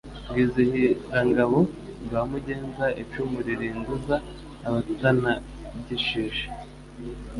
Rwizihirangabo rwa Mugenza, icumu ririnduza abatanagishije